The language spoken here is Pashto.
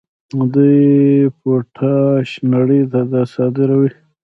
دوی پوټاش نړۍ ته صادروي.